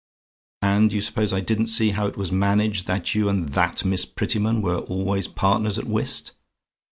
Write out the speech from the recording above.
"And you suppose I didn't see how it was managed that you and THAT Miss Prettyman were always partners at whist?